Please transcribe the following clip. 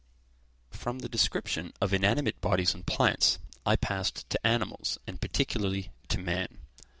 From the description of inanimate bodies and plants, I passed to animals, and particularly to man.